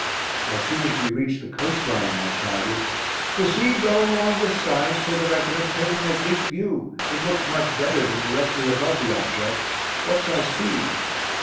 As soon as we reached the coast line, I shouted: "Proceed well along this side, so that I can obtain an oblique view. It looks much better than directly above the object. What's our speed?"